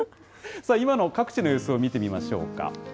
さあ、今の各地の様子を見てみましょうか。